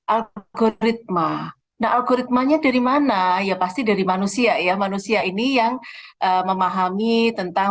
algoritma nah algoritmanya dari mana ya pasti dari manusia ya manusia ini yang memahami tentang